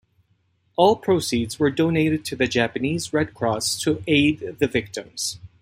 All proceeds were donated to the Japanese Red Cross to aid the victims.